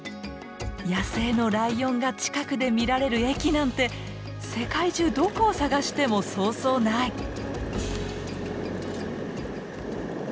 野生のライオンが近くで見られる駅なんて世界中どこを探してもそうそうない。